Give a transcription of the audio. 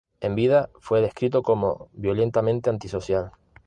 En vida fue descrito como violentamente antisocial.